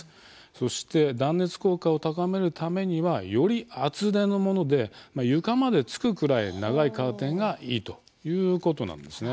そして断熱効果を高めるためにはより厚手のもので床まで着くくらい長いカーテンがいいということなんですね。